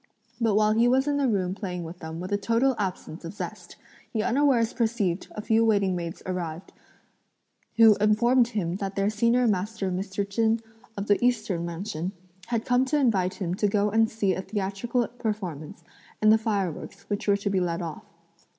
But while he was in the room playing with them with a total absence of zest, he unawares perceived a few waiting maids arrive, who informed him that their senior master Mr. Chen, of the Eastern Mansion, had come to invite him to go and see a theatrical performance, and the fireworks, which were to be let off.